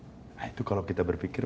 nah itu kalau kita berpikir